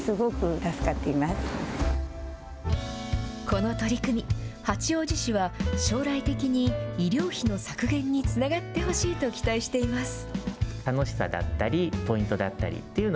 この取り組み、八王子市は、将来的に医療費の削減につながってほしいと期待しています。